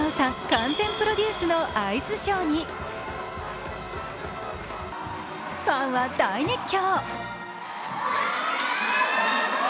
完全プロデュースのアイスショーにファンは大熱狂。